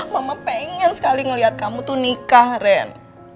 mama pengen sekali ngelihat kamu tuh nikah ren